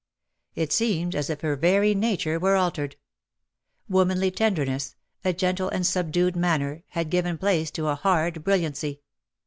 It seemed as if her very nature were altered. Womanly tendenderness, a gentle and subdued manner, had given place to a hard bril liancy.